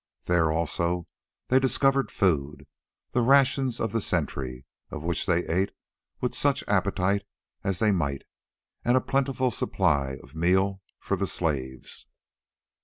There also they discovered food, the rations of the sentry, of which they ate with such appetite as they might, and a plentiful supply of meal for the slaves.